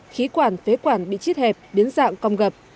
khí quản phế quản bị chít hẹp biến dạng cong